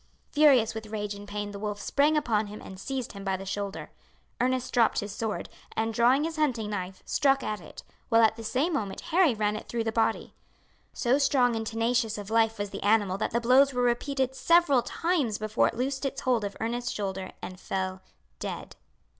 Furious with rage and pain the wolf sprang upon him and seized him by the shoulder. Ernest dropped his sword, and drawing his hunting knife struck at it, while at the same moment Harry ran it through the body. So strong and tenacious of life was the animal that the blows were repeated several times before it loosed its hold of Ernest's shoulder and fell dead.